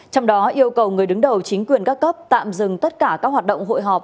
trong đó yêu cầu người đứng đầu chính quyền các cấp tạm dừng tất cả các hoạt động hội họp